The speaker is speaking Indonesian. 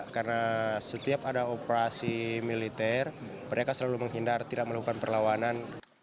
karena setiap ada operasi militer mereka selalu menghindar tidak melakukan perlawanan